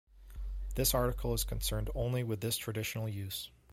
This article is concerned only with this traditional use.